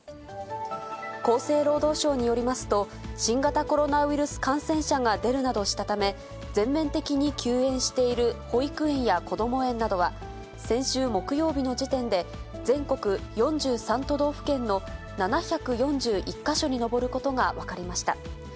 厚生労働省によりますと、新型コロナウイルス感染者が出るなどしたため、全面的に休園している保育園やこども園などは、先週木曜日の時点で、全国４３都道府県の７４１か所に上ることが分かりました。